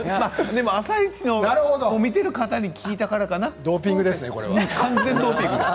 でも「あさイチ」を見ている方に聞いたからかなこれはドーピングですね。